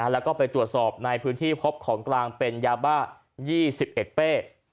แล้วก็ไปตรวจสอบในพื้นที่พบของกลางเป็นยาบ้า๒๑เป้